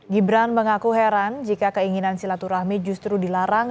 gibran mengaku heran jika keinginan silaturahmi justru dilarang